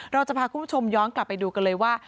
เราจะพาคุณผู้ชมย้อนกลับไปดูกันเลยว่า